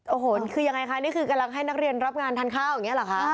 โอ้โหคือยังไงคะนี่คือกำลังให้นักเรียนรับงานทานข้าวอย่างนี้เหรอคะ